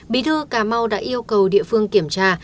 bí thư cà mau đã yêu cầu địa phương kiểm tra